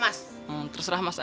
hujan terserah dong